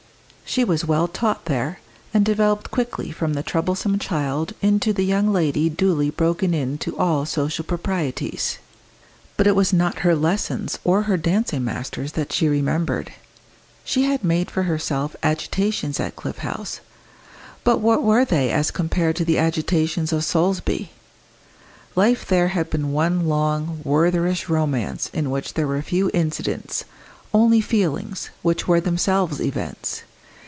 She was well taught there, and developed quickly from the troublesome child into the young lady duly broken in to all social proprieties. But it was not her lessons or her dancing masters that she remembered. She had made for herself agitations at Cliff House, but what were they as compared to the agitations of Solesby! Life there had been one long Wertherish romance in which there were few incidents, only feelings, which were themselves events.